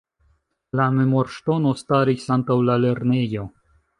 La memorŝtono staris antaŭ la lernejo.